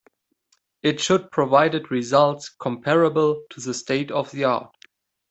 It should provided results comparable to the state of the art.